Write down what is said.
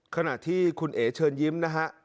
ขณะที่คุณเอ๋เชิญยิ้มนะฮะ